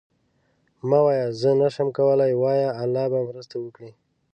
مه وایه زه نشم کولی، وایه الله به مرسته وکړي.